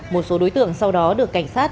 một số đối tượng sau đó được cảnh sát